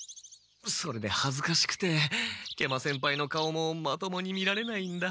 それではずかしくて食満先輩の顔もまともに見られないんだ。